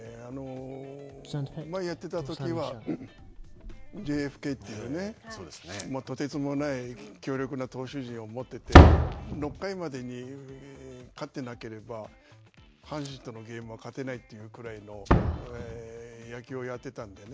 前やってたときはＪＦＫというね、とてつもない強力な投手陣を持ってて６回までに勝ってなければ、阪神とのゲームは勝てないというくらいの野球をやってたのでね。